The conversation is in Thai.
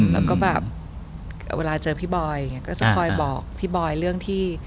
แล้วก็แบบเวลาเจอพี่บอยอย่างนี้ก็จะคอยบอกพี่บอยเรื่องที่